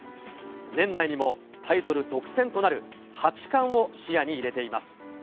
年内にもタイトル独占となる八冠を視野に入れています。